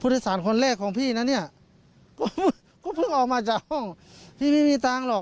โดยสารคนแรกของพี่นะเนี่ยก็เพิ่งออกมาจากห้องพี่ไม่มีตังค์หรอก